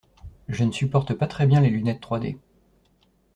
Je supporte pas très bien les lunettes trois D.